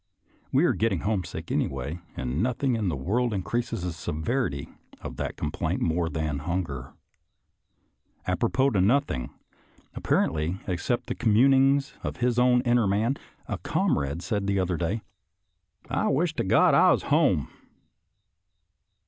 We are getting homesick, anyway, and nothing in the world 111 112 SOLDIER'S LETTERS TO CHARMING NELLIE increases the severity of that complaint more than hunger. Apropos to nothing, apparently, except the communings of his own inner man, a comrade said the other day, " I wish to God I was at home."